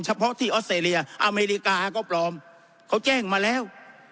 เฉพาะที่ออสเตรเลียอเมริกาก็ปลอมเขาแจ้งมาแล้ว